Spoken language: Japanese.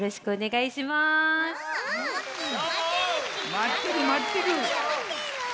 まってるまってる！